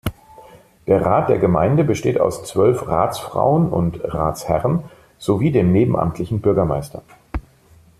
Der Rat der Gemeinde besteht aus zwölf Ratsfrauen und Ratsherren sowie dem nebenamtlichen Bürgermeister.